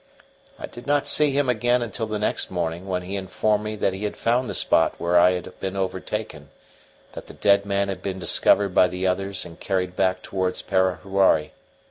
I did not see him again until the next morning, when he informed me that he had found the spot where I had been overtaken, that the dead man had been discovered by the others and carried back towards Parahuari.